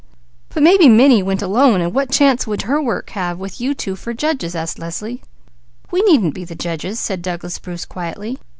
"But maybe 'Minnie' went alone, and what chance would her work have with you two for judges?" asked Leslie. "We needn't be the judges," said Douglas Bruce quietly.